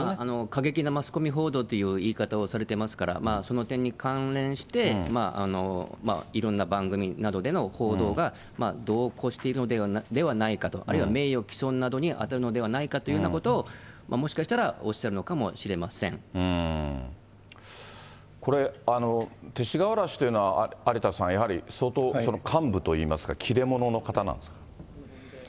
過激なマスコミ報道という言い方をされていますから、その点に関連して、いろんな番組などでの報道が、度を越しているのではないかと、あるいは名誉棄損などに当たるのではないかというようなことを、もしかしたらおっしゃるのかもしこれ、勅使河原氏というのは、有田さん、やはり相当、幹部といいますか、切れ者の方なんですか？